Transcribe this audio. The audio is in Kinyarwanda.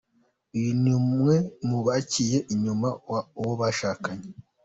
Uyu ni umwe mu baciye inyuma uwo bashakanye.